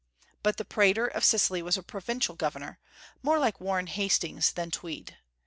But the Praetor of Sicily was a provincial governor, more like Warren Hastings than Tweed.